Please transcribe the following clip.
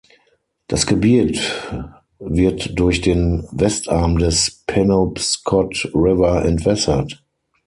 Das Gebiet wird durch den Westarm des Penobscot River entwässert.